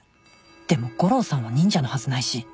でも悟郎さんは忍者のはずないし